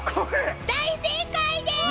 大正解です！